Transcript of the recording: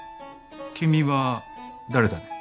君は誰だね？